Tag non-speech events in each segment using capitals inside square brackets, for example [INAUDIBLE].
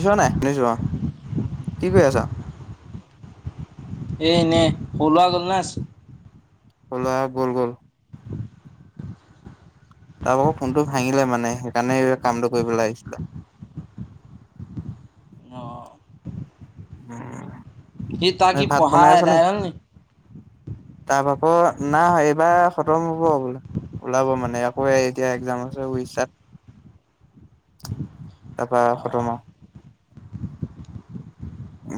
[UNINTELLIGIBLE] কি কৰি আছা? এ, এনেই সৰু ল'ৰা গ'ল নে আছে? সৰু ল'ৰা গ'ল, গ'ল। তাৰ ভাগৰ ফোনটো ভাঙিলে মানে সেইকাৰণে এই কামটো কৰিবলে আহিছিলে। উম কি তা কি পঢ়াৰ আদাই হ'ল নি? তাৰ আকৌ না এইবাৰ খতম হ'ব বোলে ওলাব মানে আকৌ এতিয়া একজাম আছে উৰিষ্যাত তাৰপা খতম আৰু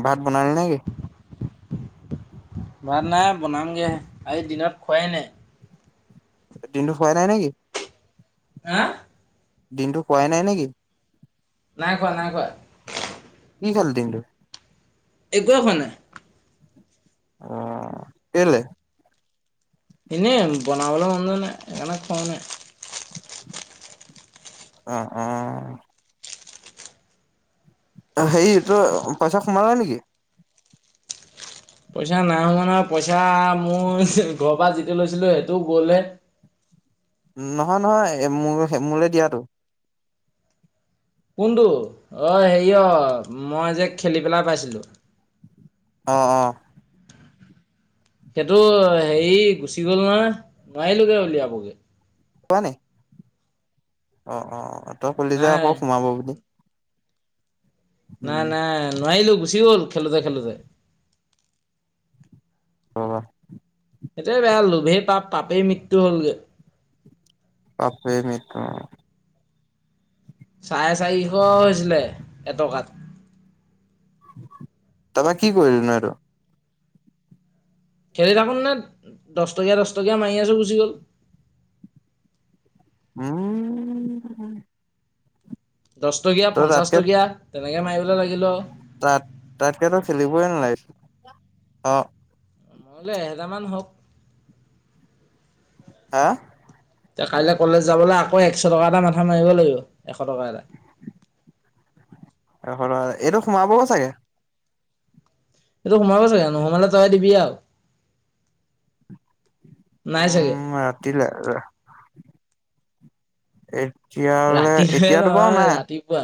ভাত বনালি নে কি? ভাত নাই বনাম গেহে আজি দিনত খোৱাই নাই। দিনতো খোৱাই নাই নেকি? আ দিনটো খোৱাই নাই নেকি? নাই খোৱা, নাই খোৱা। কি খালি দিনতো? একোৱেই খোৱা নাই। অ', কেলে? এনেই বনাবলে মন যোৱা নাই, সেইকাৰণে খোৱায়ো নাই। অ', অ' হেৰি তোৰ পইচা সোমালে নেকি? পইচা নাই সোমোৱা নহয়, পইচা মোৰ ঘৰৰ পৰা যিটো লৈছিলো সেইটোও গ'লহে নহয়, নহয় এ-মোৰ মোলে দিয়াতো। কোনটো? অ', হেৰি অ', মই যে, খেলি পেলাই পাইছিলোঁ। অ', অ'। সেইটো হেৰি গুচি গ'ল নহয়, নোৱাৰিলোগে উলিয়াবগে। [UNINTELLIGIBLE] নে? অ', অ', অ'। তই কলি যে, নাই আকৌ সোমাব বুলি। নাই, উম নাই। নোৱাৰিলোঁ। গুচি গ'ল খেলোঁতে, খেলোঁতে ৰবা এইটোয়েই বেয়া। লোভেই পাপ, পাপেই মৃত্যু হ'লগৈ। পাপেই মৃত্যু। অ'। চাৰে চাৰিশ হৈছিলে। এটকাত তাপা, কি কৰিলি নো সেইটো? খেলি থাকোঁতে নে, দহ টকীয়া, দহ টকীয়া মাৰি আছোঁ। গুচি গ'ল উম। দহ টকীয়া, তই পঞ্চাশ তাতকে টকীয়া তেনেকে মাৰিবলৈ লাগিলোঁ আও অহ। মই বোলো, এহেজাৰমান হওক। আ তে কাইলে কলেজ যাবলৈ আকৌ এশ টকা এটা মাথা মাৰিব লাগিব। এশ টকা এটা এশ টকা এটা, এইটো সোমাব চাগে। এইটো সোমাব চাগে। নোসোমালে তই দিবি আৰু নাই চাগে উম, ৰাতিলে এই তেতিয়াহ'লে ৰাতিহে এতিয়াতো বাৰু নহয় নাই ৰাতিপুৱা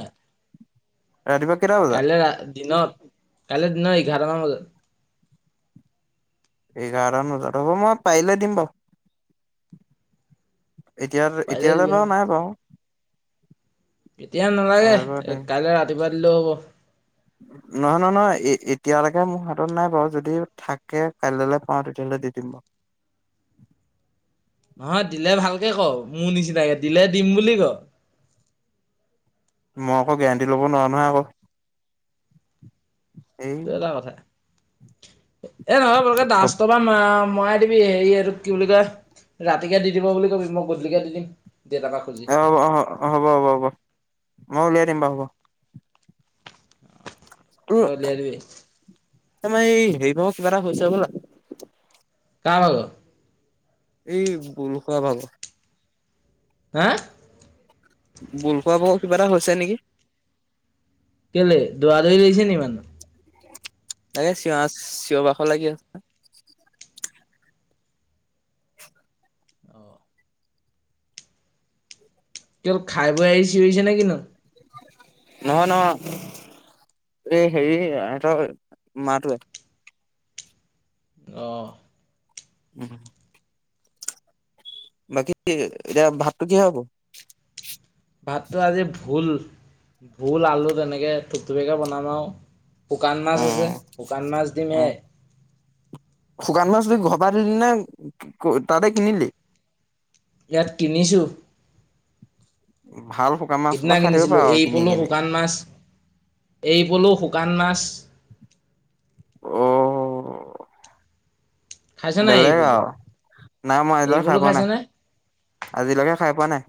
ৰাতিপুৱা কেইটা বজাত কাইলৈ ৰা, দিনত। কাইলৈ দিনৰ এঘাৰটামান বজাত। এঘাৰটামান বজাত। হ'ব, মই পাৰিলে দিম বাৰু। এতিয়া, পাৰিলে দিবি অ এতিয়ালৈ নাই বাও। এতিয়া নালাগে, বাৰু এ দিম কাইলে ৰাতিপুৱা হেল্ল'। নহয়, নহয়, নহয় এতিয়ালৈকে মোৰ হাতত নাই বাৰু যদি থাকে কাইলৈ পাওঁ তেতিয়াহ'লে দি দিম বাৰু। নহয় দিলে, ভালকে ক' মোৰ নিচিনাকে দিলে দিম বুলি ক'। মই আকৌ গেৰাণ্টি ল'ব নোৱাৰো নহয় আকৌ। এই এইটো এটা কথা। এ নহয় [UNINTELLIGIBLE] মৰাই দিবি হেৰি এইটোক কি বুলি কয় ৰাতিকে দি দিব বুলি ক'বি মই গধূলিকে দি দিম। দেতাৰ পা খুজি অ হ'ব হ'ব হ'ব মই উলিয়াই দিম বাও হ'ব। তই উলিয়াই দিবি। তাৰমানে এই হেৰি ভাগৰ কিবা এটা হৈছে হ'বলা। কাৰ ভাগৰ? এই বল খোৱা ভাগৰ। হা? বল খোৱা ভাগৰ কিবা এটা হৈছে নেকি। কেলে দৌৰা-দৌৰি কৰিছে নি মানে? এ, চিঞা, চিঞৰ বাখৰ লাগি আছ অ কি হ'ল খাই বৈ আহি চিঞৰিছে নে কি নো? নহয়, নহয় এই হেৰি এহঁতৰ মাতোৱে। অ'। উম। বাকী এতিয়া ভাতটো কিহৰে হ'ব? ভাতটো আজি ভোল। ভোল, আলু তেনেকে ঠুপঠুপিয়াকে বনাম আৰু। শুকান মাছ অ আছে, শুকান মাছ দিম অ এয়াই। শুকান মাছটো ঘৰ পৰা দিলি নে তাতে কিনিলি? ইয়াত কিনিছোঁ। ভাল শুকান মাছ সোপা সেইদিনা খাই থাকিব কিনিছিলোঁ পাৰ কিনি এৰিপলু, কিনি শুকান মাছ, এৰিপলু, শুকান মাছ। অ' খাইছে নাই এৰি বেলেগ পলু আৰু। নাই মই এৰি আজিলৈকে পলু খাই পোৱা খাইছে নাই, নে আজিলৈকে খাই পোৱা নাই।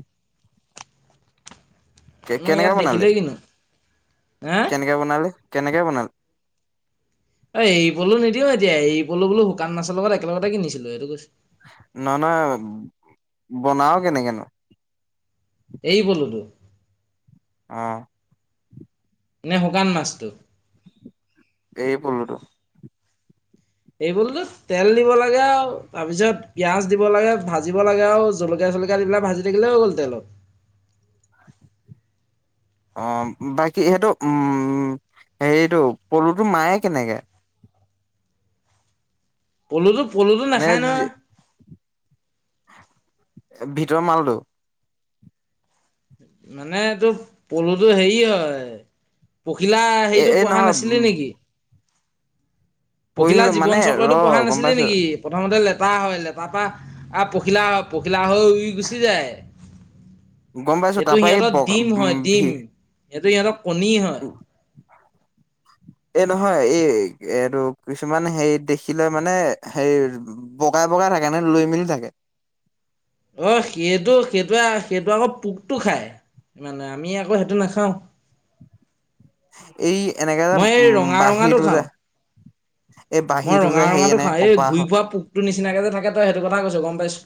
মই কেনেকে ইয়াত বনালি দেখিলেই কিনো, এ কেনেকে বনালি কেনেকে বনা এৰিপলু নিদিও এতিয়া, এৰিপলু বোলো শুকান মাছৰ লগত একেলগতে কিনিছিলোঁ, এইটো কৈছোঁ। নহয়, নহয় বনাওঁ কেনেকেনো? এৰিপলুটো? অ'। নে শুকান মাছটো? এৰিপলুটো। এৰিপলুটো তেল দিব লাগে আৰু তাৰ পিছত পিয়াঁজ দিব লাগে, ভাজিব লাগে আৰু জলকীয়া চলকীয়া দি পেলাই বিলাক ভাজি থাকিলে হৈ গ'ল তেলত। অ', বাকী সেইটো উম, হেৰিটো পলুটো মাৰে কেনেকে? পলুটো পলুটো নে নাখায় নহয়। ভিতৰৰ মালটো? মানে টো, পলুটো হেৰি হয়। পখিলা এ হেৰিটো এই পঢ়া নহয় নাছিলি নেকি? পখিলা পঢ়িলো মানে জীৱন ৰ চক্ৰতো পঢ়া গম নাছিলি পাইছো নেকি? প্ৰথমতে লে লেটা হয়, লেটাৰপা আ, পখিলা হয়, পখি পখিলা হৈ উৰি গুচি যায়। গম পাইছোঁ তাপা এই বগা-উম, ভি এইটো ইহঁতৰ কণী হয়। এ, নহয় এই, এইটো কিছুমান হেৰি দেখিলে মানে হেৰি বগাই, বগাই থাকে নে লৈ মেলি থাকে। অ', সেইটো, সেইটোৱে, সেইটো আকৌ পোকটো খায় ইমানে আমি আকৌ সেইটো নাখাওঁ। এই, এনেকে যে, মই এই উম, ৰঙা ৰঙাটো বাহিৰটো যে খাওঁ। এই মই বাঁহীটো ৰঙা, যে হেৰি ৰঙাটো এনে খাওঁ এই কপাহ ঘূৰি ফুৰা পোকটো নিচিনাকে যে, থাকে তই সেইটো কথা কৈছ গম পাইছোঁ।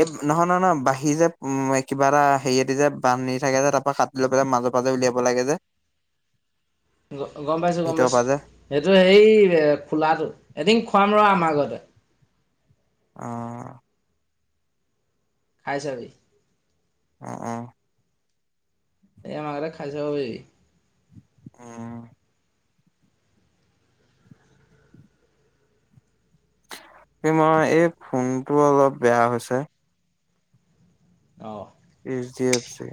এই নহয়, নহয়, নহয় বাহি যে, উম, কিবা এটা হেৰিয়েদি যে, বান্ধি থাকে যে, তাৰ পৰা কাটি লৈ পেলাই মাজৰ পৰাজে উলিয়াব লাগে যে গম পাইছোঁ, গম ভিতৰৰ পাইছোঁ পৰা যে সেইটো, সেই খোলাটো এদিন খোৱাম ৰ, আমাৰ ঘৰতে। অ' খাই চাবি। অ অ এই আমাৰ ঘৰতে খাই চাব পাৰিবি অ এই মই এই ফোনটো অলপ বেয়া হৈছে অ এইচ ডি এফ চি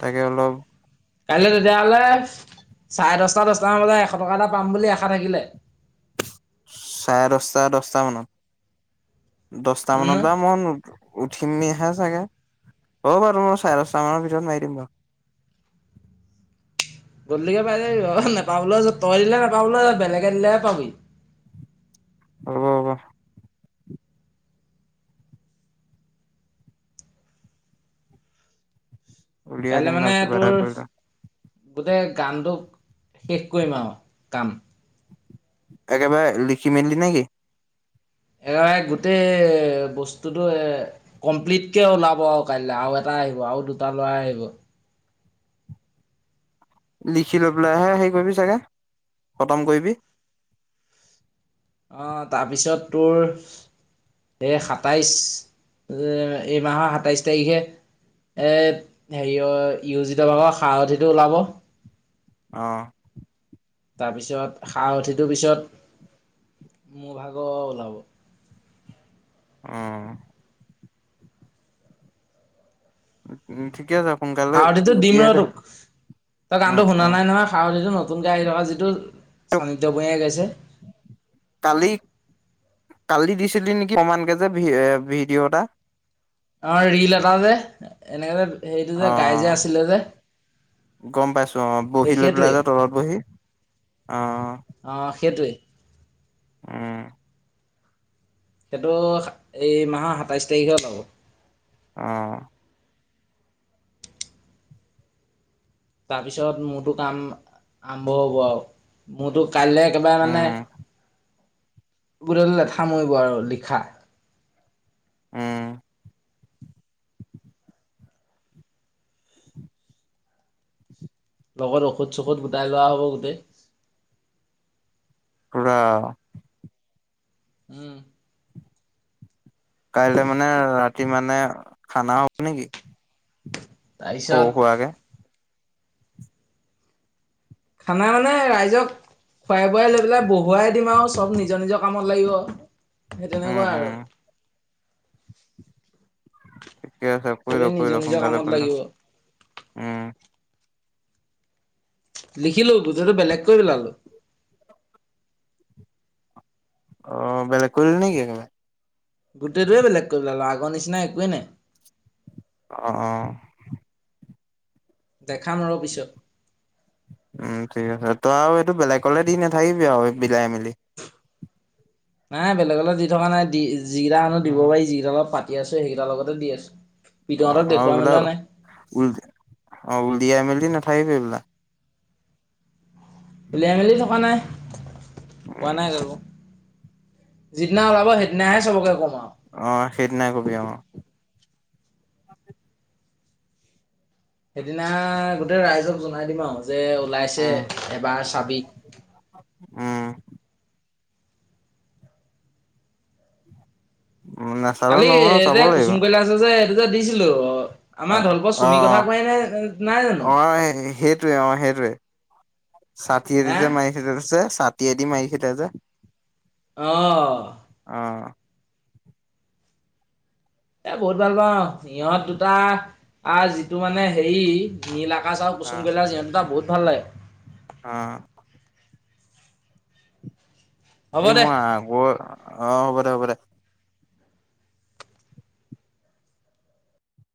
তাকে অলপ কাইলৈ তেতিয়া হ'লে চাৰে দচটা দশটামান বজাত এশ টকা এটা পাম বুলি আশা থাকিলে চাৰে দহটা দহটা মানত দশটা উম মানত বাৰু মই [UNINTELLIGIBLE] উঠিম [UNINTELLIGIBLE] চাগে হ'ব বাৰু মই চাৰে দহটা মানৰ ভিতৰত মাৰি দিম বাৰু গধূলিকে পাই যাবি বাৰু নাপাবলৈও আছ তই দিলে নেপাবলৈ আছ বেলেগে দিলেহে পাবি হব হব উলিয়াই কাইলৈ দিম মানে আৰু কিবা তোৰ এটা কৰি গোটেই গানটো শেষ কৰিম আৰু কাম একেবাৰে লিখি মেলি নেকি একেবাৰে গোটেই বস্তুটো কমপ্লিটকে ওলাব আৰু কাইলৈ আৰু এটা আহিব আৰু দুটা লৰাই আহিব লিখি লৈ পেলাই হে হেৰি কৰিবি চাগে খতম কৰিবি অ তাৰপিছত তোৰ এই সাতাইছ এই মাহৰ সাতাইছ তাৰিখে হেৰি [UNINTELLIGIBLE] য়োজিতভাগৰ সাৰথিটো ওলাব অ তাৰপিছত সাৰথিটোৰ পিছত মোৰভাগৰ ওলাব অ'। উম ঠিকে আছা। সাৰথিটো দিম ৰ তোক তই উম গানটো শুনা উম নাই নহয় সাৰথিটো নতুনকে আহি থকা যিটো চান্দিত্য বনিয়াই গাইছে। কালি কালি দিছিলো নেকি অকমানকে যে ভিডিঅ' এটা। অ' ৰীল এটাযে এনেকে যে। সেইটো যে গাই যে অ' আছিলে যে গম পাইছোঁ অ' সেই বহি লৈ পেলাই সেইটোৱে যে তলত বহি অ'। অ [UNINTELLIGIBLE] উম। সেইটো এই মাহৰ সাতাইশ তাৰিখে পাব। অ। তাৰপিছত মোৰতো কাম আৰম্ভ হ'ব আৰু। মোৰতো কাইলে একেবাৰে মানে উম [UNINTELLIGIBLE] লেঠা মৰিব আৰু লিখা। উ। লগত ঔষধ সৌষধ গোটাই লোৱা হ'ব গোটেই। পোৰা। উম। কাইলৈ মানে ৰাতি মানে খানা হ'ব নেকি? সৰু তাৰপিছত সুৰাকে খানা মানে, ৰাইজক খুৱাই বোৱাই লৈ পেলাই বহুৱাই দিম আৰু চব নিজৰ নিজৰ কামত লাগিব। সেই উম তেনেকুৱা আৰু। উম ঠিকে আছে কৰি ল চবেই কৰি নিজৰ ল নিজৰ সোনকালে কামত কৰি ল। লাগিব। উম। লিখিলো [UNINTELLIGIBLE] বেলেগকৈ পেলালো। অ, বেলেগ কৰিল নেকি? গোটেইটোৱে বেলেগ কৰি পেলালো আগৰ নিচিনা একোৱেই নাই। অ, অ। দেখাম ৰ পিছত। উম ঠিক আছে তই আৰু এইটো বেলেগ'লে দি নাথাকিবি আৰু বিলাই মেলি। নাই বেলেগ'লে দি থকা নাই দি জিৰা আনো অ দিব পাৰি জৰা অলপ ফাট কি আছ সেইকেইটা লগতে দি আছো। পিতহঁতক অ [UNINTELLIGIBLE] দেখুৱাই উল মেলোৱা নাই অ উলদিয়াই মেলি নথ [INAUDIBLE] উলিয়াই মেলি থকা নাই। পোৱা নাই কাকো। যিদিনা ওলাব সেইদিনাহে চবকে কম আৰু। অ, সেইদিনাই কবি অ। [INAUDIBLE] সেইদিনা গোটেই ৰাইজক জনাই দিম আৰু। যে ওলাইছে উম এবাৰ চাবিক উম নাচালে কালি নহব ন এই চাব যে, কুচুমকৈলাসে যে যে দিছিলো অ। নাই জানো অ-অ-অ-অ সেইটোয়ে অ সেইটোয়ে। ছাঠি এৰি হে যে [UNINTELLIGIBLE] ছাতিয়ে দি মাৰি চিলে যে অঁ। [INAUDIBLE] এ বহুত ভাল পাওঁ। সিহঁত দুটা আৰু যিটো মানে হেৰি নীল আ [UNINTELLIGIBLE] অ কুচুম কৈলাশ সিহঁত দুইটা বহুত ভাল লাগে। অ'। হ'ব এই দে মই আগৰ অ', হ'ব হ'ব দে।